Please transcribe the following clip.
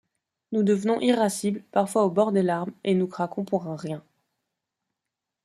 Nous devenons irascibles, parfois au bord des larmes et nous craquons pour un rien.